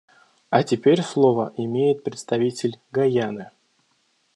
А теперь слово имеет представитель Гайаны.